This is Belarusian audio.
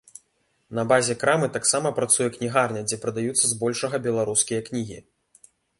На базе крамы таксама працуе кнігарня, дзе прадаюцца збольшага беларускія кнігі.